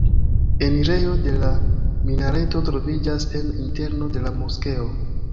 Enirejo de la minareto troviĝas en interno de la moskeo.